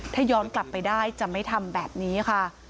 ถ้าย้อนกลับไปได้จะไม่ทำแบบนี้ค่ะ